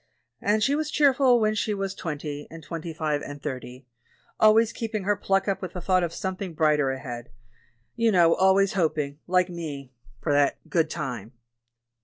And she was cheerful when she was twen ty, and twenty five, and thirty — always keeping her pluck up with the thought of something brighter ahead, you know; always hoping, like me, for that 'good time.'